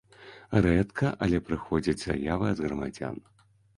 Рэдка, але прыходзяць заявы ад грамадзян.